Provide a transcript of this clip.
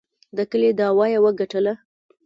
د کلي دعوه یې وګټله.